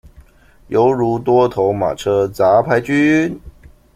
猶如多頭馬車雜牌軍